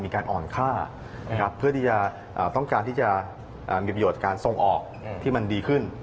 มีการอ่อนค่าเพื่อที่จะต้องการที่จะมีประโยชน์การส่งออกที่มันดีขึ้น